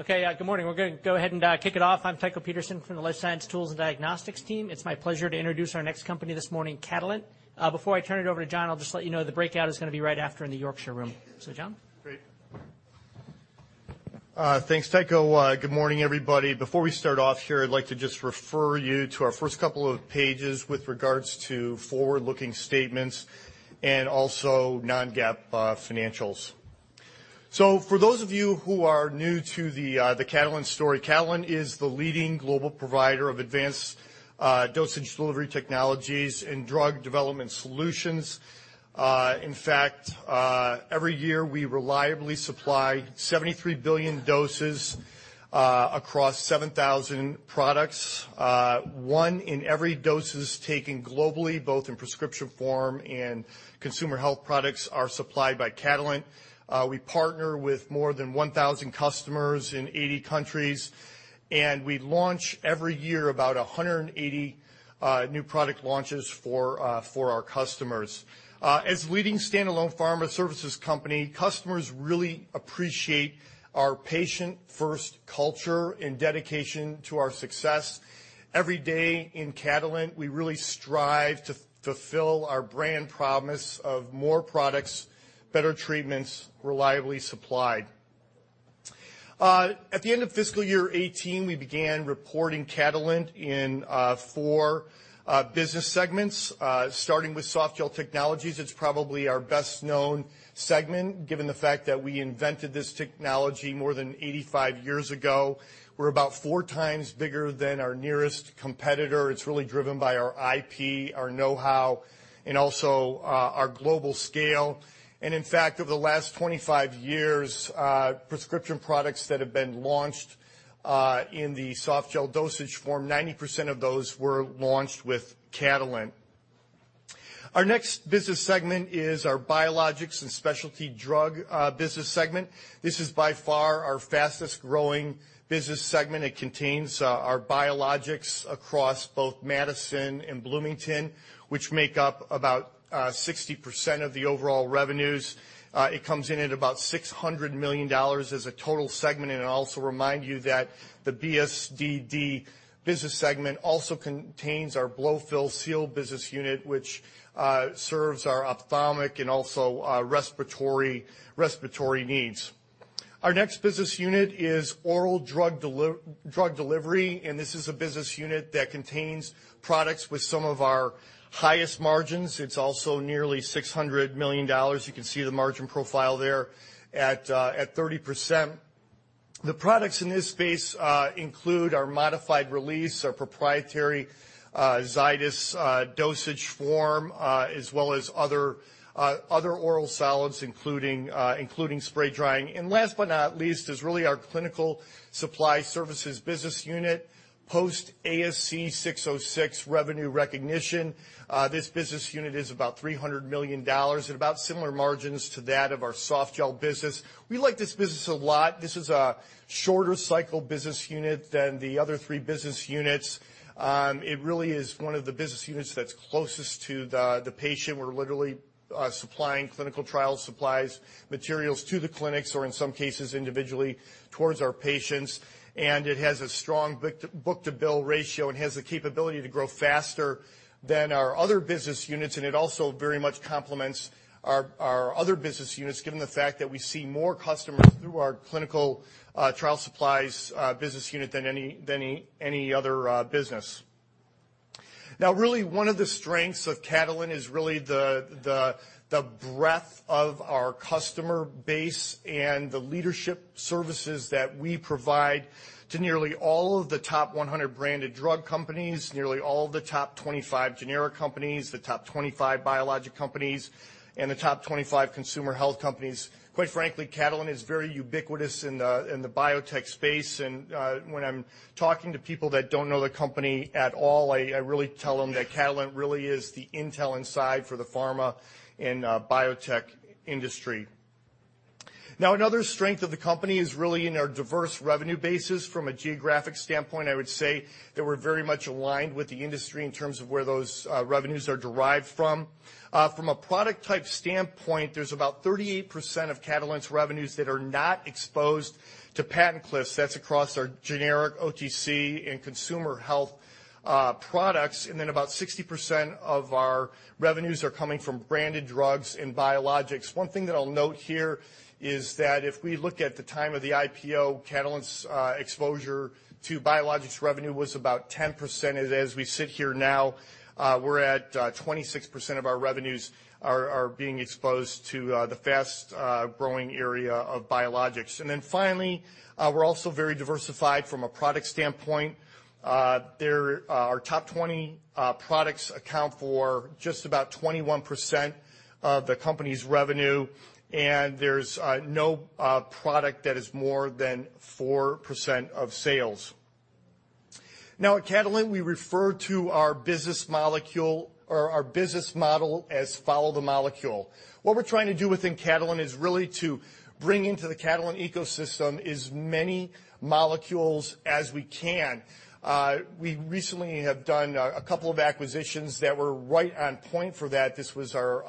Okay, good morning. We're going to go ahead and kick it off. I'm Tycho Peterson from the Life Science Tools and Diagnostics team. It's my pleasure to introduce our next company this morning, Catalent. Before I turn it over to John, I'll just let you know the breakout is going to be right after in the Yorkshire room. So, John. Great. Thanks, Tycho. Good morning, everybody. Before we start off here, I'd like to just refer you to our first couple of pages with regards to forward-looking statements and also non-GAAP financials. So, for those of you who are new to the Catalent story, Catalent is the leading global provider of advanced dosage delivery technologies and drug development solutions. In fact, every year we reliably supply 73 billion doses across 7,000 products. One in every ten doses taken globally in both prescription and consumer health products are supplied by Catalent. We partner with more than 1,000 customers in 80 countries, and we launch every year about 180 new product launches for our customers. As a leading standalone pharma services company, customers really appreciate our patient-first culture and dedication to our success. Every day in Catalent, we really strive to fulfill our brand promise of more products, better treatments, reliably supplied. At the end of fiscal year 2018, we began reporting Catalent in four business segments. Starting with Softgel Technologies, it's probably our best-known segment given the fact that we invented this technology more than 85 years ago. We're about four times bigger than our nearest competitor. It's really driven by our IP, our know-how, and also our global scale, and in fact, over the last 25 years, prescription products that have been launched in the softgel dosage form, 90% of those were launched with Catalent. Our next business segment is our Biologics and Specialty Drug Business segment. This is by far our fastest-growing business segment. It contains our biologics across both Madison and Bloomington, which make up about 60% of the overall revenues. It comes in at about $600 million as a total segment. And I'll also remind you that the BSDD business segment also contains our Blow-Fill-Seal business unit, which serves our ophthalmic and also respiratory needs. Our next business unit is Oral Drug Delivery, and this is a business unit that contains products with some of our highest margins. It's also nearly $600 million. You can see the margin profile there at 30%. The products in this space include our modified release, our proprietary Zydis dosage form, as well as other oral solids, including spray drying. And last but not least is really our Clinical Supply Services business unit, post-ASC 606 revenue recognition. This business unit is about $300 million at about similar margins to that of our softgel business. We like this business a lot. This is a shorter-cycle business unit than the other three business units. It really is one of the business units that's closest to the patient. We're literally supplying clinical trial supplies, materials to the clinics, or in some cases individually towards our patients, and it has a strong book-to-bill ratio and has the capability to grow faster than our other business units, and it also very much complements our other business units, given the fact that we see more customers through our Clinical Trial Supplies business unit than any other business. Now, really, one of the strengths of Catalent is really the breadth of our customer base and the leadership services that we provide to nearly all of the top 100 branded drug companies, nearly all of the top 25 generic companies, the top 25 biologic companies, and the top 25 consumer health companies. Quite frankly, Catalent is very ubiquitous in the biotech space. And when I'm talking to people that don't know the company at all, I really tell them that Catalent really is the Intel Inside for the pharma and biotech industry. Now, another strength of the company is really in our diverse revenue bases. From a geographic standpoint, I would say that we're very much aligned with the industry in terms of where those revenues are derived from. From a product-type standpoint, there's about 38% of Catalent's revenues that are not exposed to patent cliffs. That's across our generic OTC and consumer health products. And then about 60% of our revenues are coming from branded drugs and biologics. One thing that I'll note here is that if we look at the time of the IPO, Catalent's exposure to biologics revenue was about 10%. As we sit here now, we're at 26% of our revenues being exposed to the fast-growing area of biologics. And then finally, we're also very diversified from a product standpoint. Our top 20 products account for just about 21% of the company's revenue, and there's no product that is more than 4% of sales. Now, at Catalent, we refer to our business molecule or our business model as Follow the Molecule. What we're trying to do within Catalent is really to bring into the Catalent ecosystem as many molecules as we can. We recently have done a couple of acquisitions that were right on point for that. This was our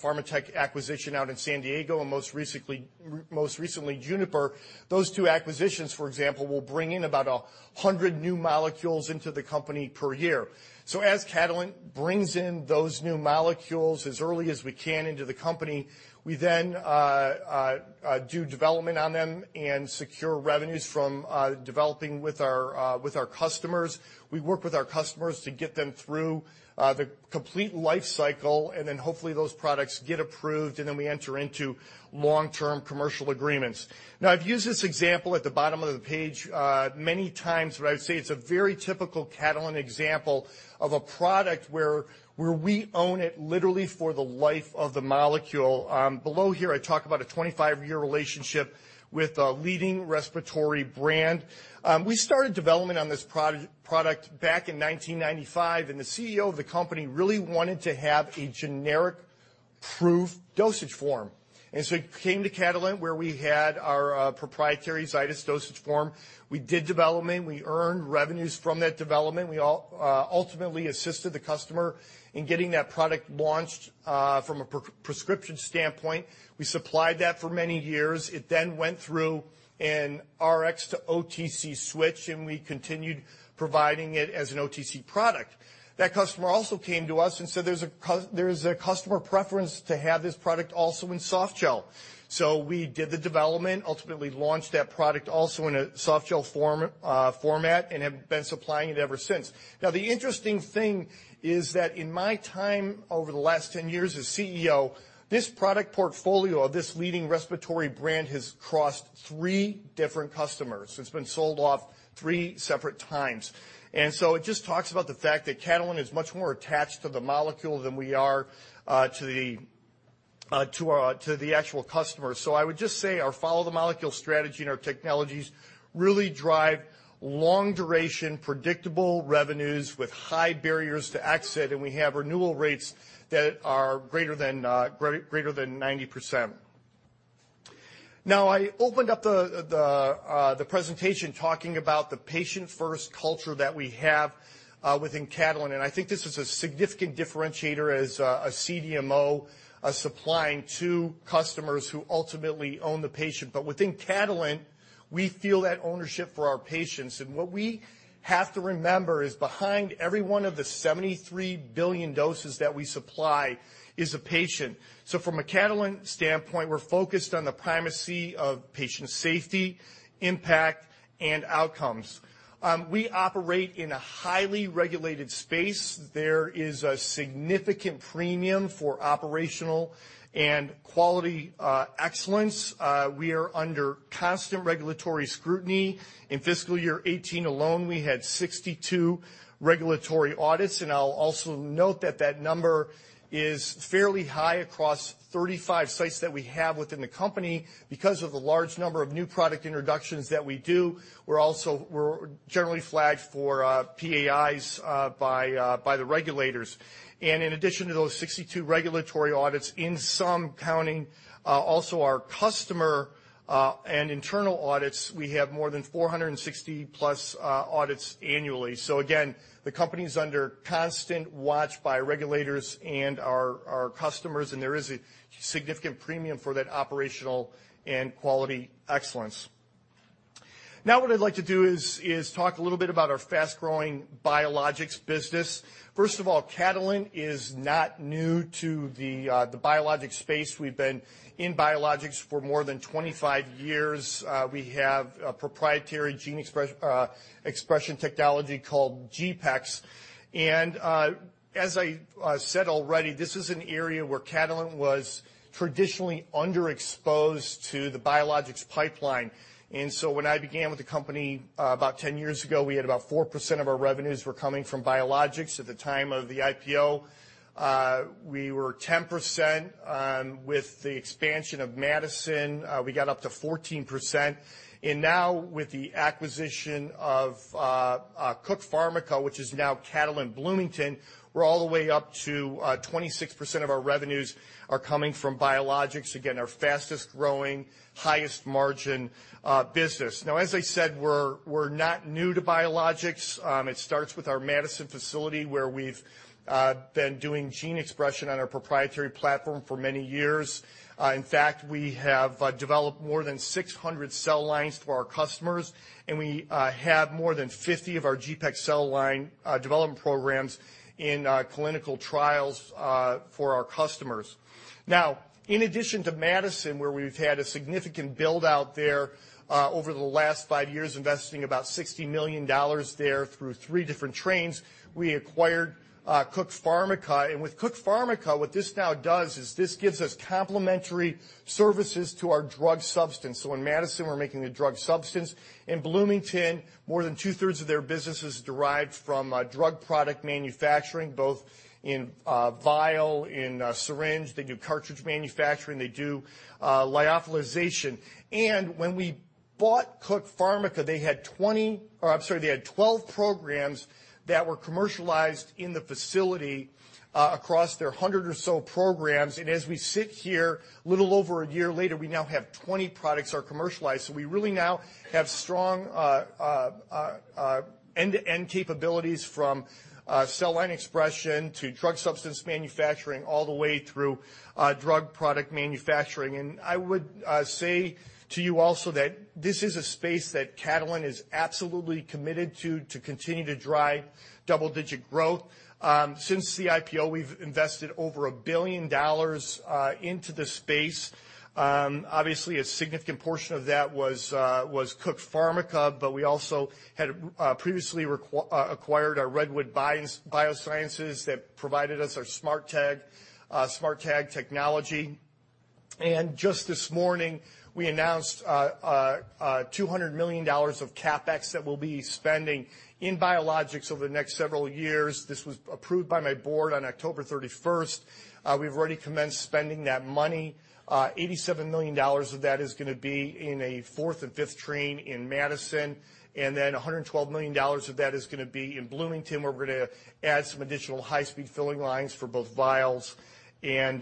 Pharmatek acquisition out in San Diego and most recently Juniper. Those two acquisitions, for example, will bring in about 100 new molecules into the company per year. As Catalent brings in those new molecules as early as we can into the company, we then do development on them and secure revenues from developing with our customers. We work with our customers to get them through the complete life cycle, and then hopefully those products get approved, and then we enter into long-term commercial agreements. Now, I've used this example at the bottom of the page many times, but I would say it's a very typical Catalent example of a product where we own it literally for the life of the molecule. Below here, I talk about a 25-year relationship with a leading respiratory brand. We started development on this product back in 1995, and the CEO of the company really wanted to have a generic-proof dosage form. And so it came to Catalent, where we had our proprietary Zydis dosage form. We did development. We earned revenues from that development. We ultimately assisted the customer in getting that product launched from a prescription standpoint. We supplied that for many years. It then went through an Rx to OTC switch, and we continued providing it as an OTC product. That customer also came to us and said, "There's a customer preference to have this product also in softgel". So we did the development, ultimately launched that product also in a softgel format, and have been supplying it ever since. Now, the interesting thing is that in my time over the last 10 years as CEO, this product portfolio of this leading respiratory brand has crossed three different customers. It's been sold off three separate times, and so it just talks about the fact that Catalent is much more attached to the molecule than we are to the actual customer. So I would just say our Follow the Molecule strategy and our technologies really drive long-duration, predictable revenues with high barriers to exit, and we have renewal rates that are greater than 90%. Now, I opened up the presentation talking about the patient-first culture that we have within Catalent, and I think this is a significant differentiator as a CDMO supplying to customers who ultimately own the patient. But within Catalent, we feel that ownership for our patients. And what we have to remember is behind every one of the 73 billion doses that we supply is a patient. So, from a Catalent standpoint, we're focused on the primacy of patient safety, impact, and outcomes. We operate in a highly regulated space. There is a significant premium for operational and quality excellence. We are under constant regulatory scrutiny. In fiscal year 2018 alone, we had 62 regulatory audits, and I'll also note that that number is fairly high across 35 sites that we have within the company. Because of the large number of new product introductions that we do, we're generally flagged for PAIs by the regulators. And in addition to those 62 regulatory audits, in some counting, also our customer and internal audits, we have more than 460+ audits annually. So, again, the company is under constant watch by regulators and our customers, and there is a significant premium for that operational and quality excellence. Now, what I'd like to do is talk a little bit about our fast-growing biologics business. First of all, Catalent is not new to the biologics space. We've been in biologics for more than 25 years. We have a proprietary gene expression technology called GPEx. And as I said already, this is an area where Catalent was traditionally underexposed to the biologics pipeline. And so, when I began with the company about 10 years ago, we had about 4% of our revenues coming from biologics. At the time of the IPO, we were 10%. With the expansion of Madison, we got up to 14%. And now, with the acquisition of Cook Pharmica, which is now Catalent Bloomington, we're all the way up to 26% of our revenues coming from biologics, again, our fastest-growing, highest-margin business. Now, as I said, we're not new to biologics. It starts with our Madison facility, where we've been doing gene expression on our proprietary platform for many years. In fact, we have developed more than 600 cell lines for our customers, and we have more than 50 of our GPEx cell line development programs in clinical trials for our customers. Now, in addition to Madison, where we've had a significant build-out there over the last five years, investing about $60 million there through three different trains, we acquired Cook Pharmica. And with Cook Pharmica, what this now does is this gives us complementary services to our drug substance. So, in Madison, we're making a drug substance. In Bloomington, more than two-thirds of their business is derived from drug product manufacturing, both in vial, in syringe. They do cartridge manufacturing. They do lyophilization. And when we bought Cook Pharmica, they had 20. I'm sorry, they had 12 programs that were commercialized in the facility across their 100 or so programs. And as we sit here, a little over a year later, we now have 20 products that are commercialized. So, we really now have strong end-to-end capabilities from cell line expression to drug substance manufacturing, all the way through drug product manufacturing. I would say to you also that this is a space that Catalent is absolutely committed to, to continue to drive double-digit growth. Since the IPO, we've invested over $1 billion into the space. Obviously, a significant portion of that was Cook Pharmica, but we also had previously acquired our Redwood Biosciences that provided us our SMARTag Technology. And just this morning, we announced $200 million of CapEx that we'll be spending in biologics over the next several years. This was approved by my board on October 31st. We've already commenced spending that money. $87 million of that is going to be in a fourth and fifth train in Madison. And then $112 million of that is going to be in Bloomington, where we're going to add some additional high-speed filling lines for both vials and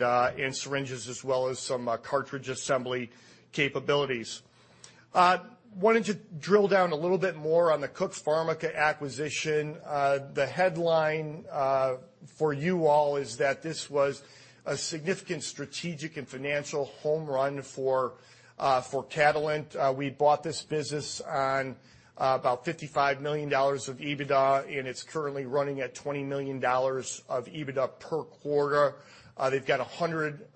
syringes, as well as some cartridge assembly capabilities. Wanted to drill down a little bit more on the Cook Pharmica acquisition. The headline for you all is that this was a significant strategic and financial home run for Catalent. We bought this business on about $55 million of EBITDA, and it's currently running at $20 million of EBITDA per quarter. They've got 100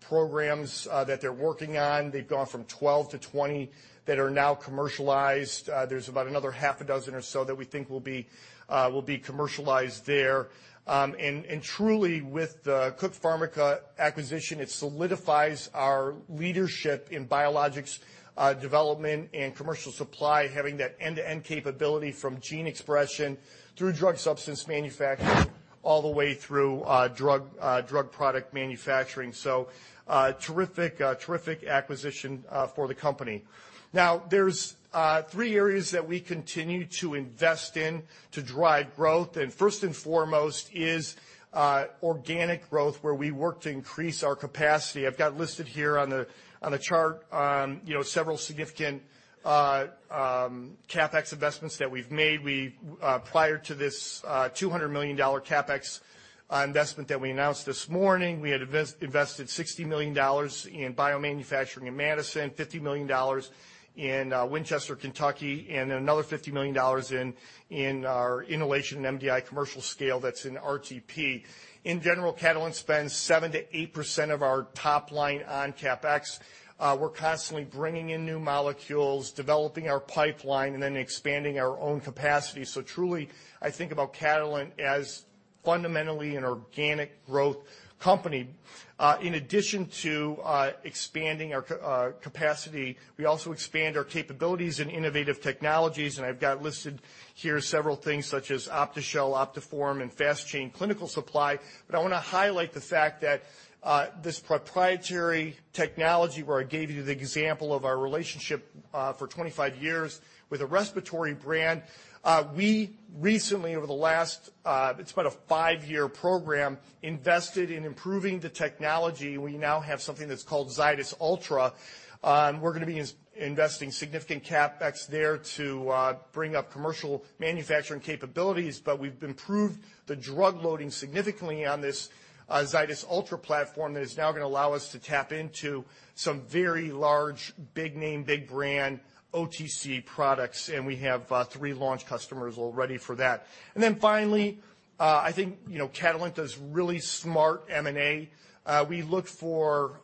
programs that they're working on. They've gone from 12 to 20 that are now commercialized. There's about another half a dozen or so that we think will be commercialized there. And truly, with the Cook Pharmica acquisition, it solidifies our leadership in biologics development and commercial supply, having that end-to-end capability from gene expression through drug substance manufacturing, all the way through drug product manufacturing. So, terrific acquisition for the company. Now, there's three areas that we continue to invest in to drive growth. First and foremost is organic growth, where we work to increase our capacity. I've got listed here on the chart several significant CapEx investments that we've made. Prior to this $200 million CapEx investment that we announced this morning, we had invested $60 million in biomanufacturing in Madison, $50 million in Winchester, Kentucky, and another $50 million in our inhalation and MDI commercial scale that's in RTP. In general, Catalent spends 7%-8% of our top line on CapEx. We're constantly bringing in new molecules, developing our pipeline, and then expanding our own capacity. So, truly, I think about Catalent as fundamentally an organic growth company. In addition to expanding our capacity, we also expand our capabilities and innovative technologies. And I've got listed here several things such as OptiShell, OptiForm, and FastChain Clinical supply. But I want to highlight the fact that this proprietary technology, where I gave you the example of our relationship for 25 years with a respiratory brand, we recently, over the last (it's about a five-year program), invested in improving the technology. We now have something that's called Zydis Ultra. We're going to be investing significant CapEx there to bring up commercial manufacturing capabilities. But we've improved the drug loading significantly on this Zydis Ultra platform that is now going to allow us to tap into some very large, big-name big-brand OTC products. And we have three launch customers already for that. And then finally, I think Catalent does really smart M&A. We look for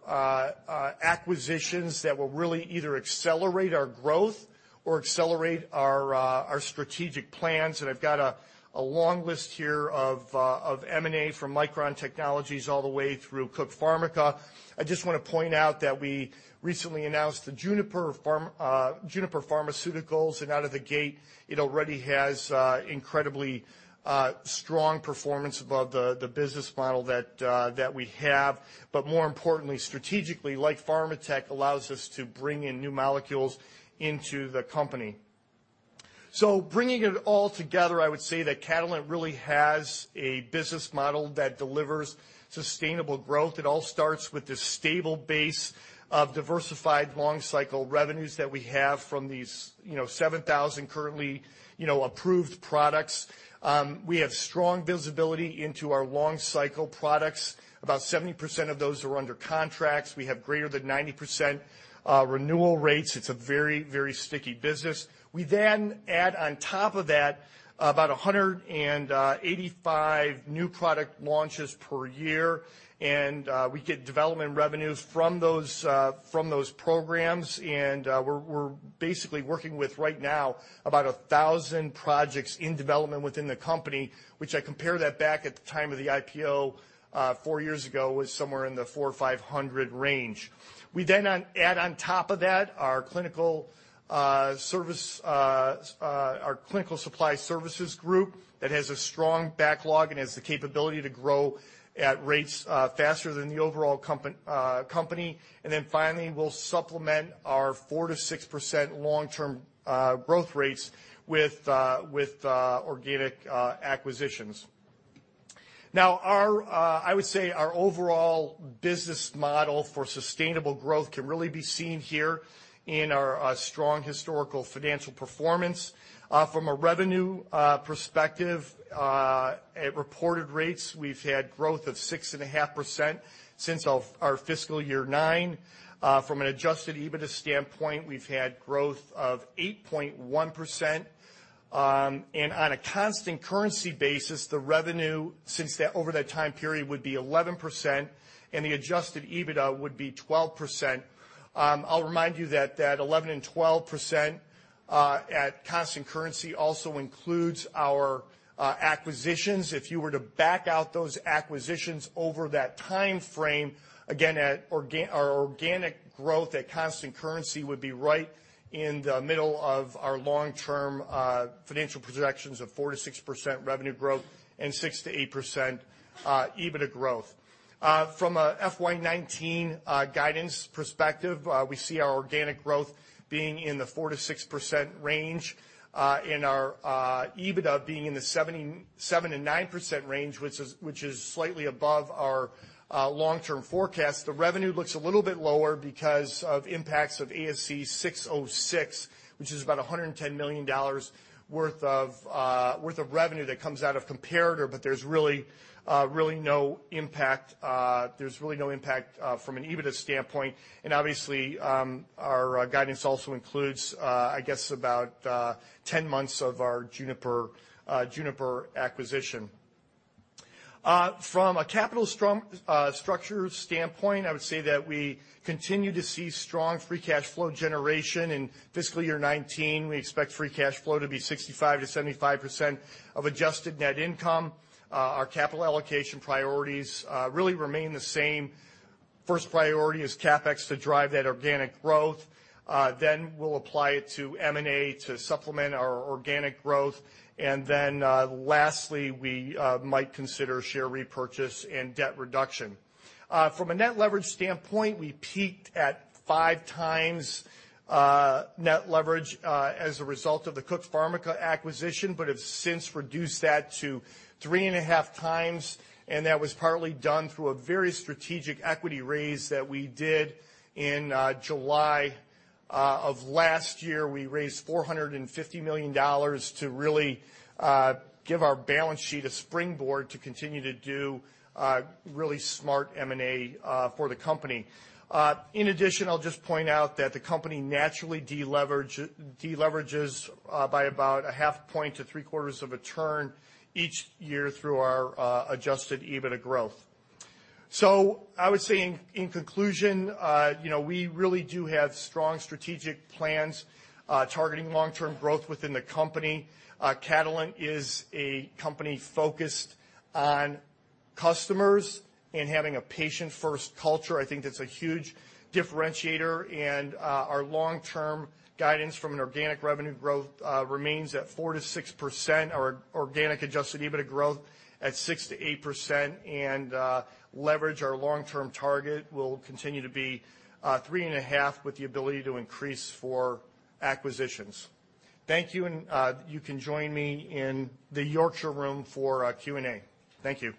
acquisitions that will really either accelerate our growth or accelerate our strategic plans. And I've got a long list here of M&A from Micron Technologies all the way through Cook Pharmica. I just want to point out that we recently announced the Juniper Pharmaceuticals, and out of the gate, it already has incredibly strong performance above the business model that we have, but more importantly, strategically, Pharmatek allows us to bring in new molecules into the company, so, bringing it all together, I would say that Catalent really has a business model that delivers sustainable growth. It all starts with this stable base of diversified long-cycle revenues that we have from these 7,000 currently approved products. We have strong visibility into our long-cycle products. About 70% of those are under contracts. We have greater than 90% renewal rates. It's a very, very sticky business. We then add on top of that about 185 new product launches per year, and we get development revenues from those programs. We're basically working with, right now, about 1,000 projects in development within the company, which I compare that back at the time of the IPO four years ago, was somewhere in the 400 or 500 range. We then add on top of that our clinical supply services group that has a strong backlog and has the capability to grow at rates faster than the overall company. And then finally, we'll supplement our 4%-6% long-term growth rates with organic acquisitions. Now, I would say our overall business model for sustainable growth can really be seen here in our strong historical financial performance. From a revenue perspective, at reported rates, we've had growth of 6.5% since our fiscal year nine. From an adjusted EBITDA standpoint, we've had growth of 8.1%. On a constant currency basis, the revenue over that time period would be 11%, and the adjusted EBITDA would be 12%. I'll remind you that that 11% and 12% at constant currency also includes our acquisitions. If you were to back out those acquisitions over that time frame, again, our organic growth at constant currency would be right in the middle of our long-term financial projections of 4%-6% revenue growth and 6%-8% EBITDA growth. From a FY 2019 guidance perspective, we see our organic growth being in the 4%-6% range and our EBITDA being in the 7%-9% range, which is slightly above our long-term forecast. The revenue looks a little bit lower because of impacts of ASC 606, which is about $110 million worth of revenue that comes out of comparables, but there's really no impact. There's really no impact from an EBITDA standpoint. And obviously, our guidance also includes, I guess, about 10 months of our Juniper acquisition. From a capital structure standpoint, I would say that we continue to see strong free cash flow generation. In fiscal year 2019, we expect free cash flow to be 65%-75% of adjusted net income. Our capital allocation priorities really remain the same. First priority is CapEx to drive that organic growth. Then we'll apply it to M&A to supplement our organic growth. And then lastly, we might consider share repurchase and debt reduction. From a net leverage standpoint, we peaked at five times net leverage as a result of the Cook Pharmica acquisition but have since reduced that to 3.5 times. And that was partly done through a very strategic equity raise that we did in July of last year. We raised $450 million to really give our balance sheet a springboard to continue to do really smart M&A for the company. In addition, I'll just point out that the company naturally deleverages by about a half point to three-quarters of a turn each year through our adjusted EBITDA growth. So, I would say in conclusion, we really do have strong strategic plans targeting long-term growth within the company. Catalent is a company focused on customers and having a patient-first culture. I think that's a huge differentiator. Our long-term guidance from an organic revenue growth remains at 4-6%. Our organic adjusted EBITDA growth at 6-8%. Leverage, our long-term target will continue to be 3.5 with the ability to increase for acquisitions. Thank you. You can join me in the Yorkshire room for Q&A. Thank you.